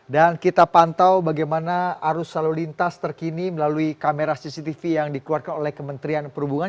dan kita pantau bagaimana arus lalu lintas terkini melalui kamera cctv yang dikeluarkan oleh kementerian perhubungan